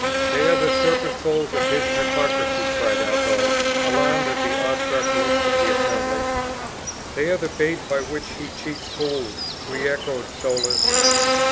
"They are the serpent folds of his hypocrisy!" cried Athol, alarmed at the awe struck looks of the assembly. "They are the baits by which he cheats fools!" re echoed Soulis.